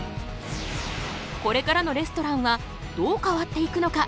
これからのレストランはどう変わっていくのか？